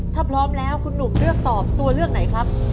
ถ้าพร้อมแล้วคุณหนุ่มเลือกตอบตัวเลือกไหนครับ